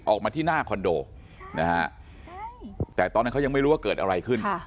ออกมาที่หน้าคอนโดนะฮะแต่ตอนนั้นเขายังไม่รู้ว่าเกิดอะไรขึ้น